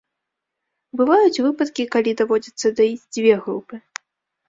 Бываюць выпадкі, калі даводзіцца даіць дзве групы.